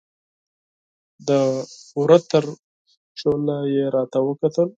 د وره تر چوله یې راته وکتل